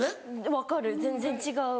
分かる全然違う。